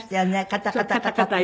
カタカタカタって。